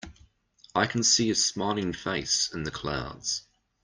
I can see a smiling face in the clouds.